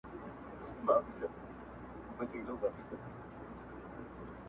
o ځکه پاته جاویدانه افسانه سوم,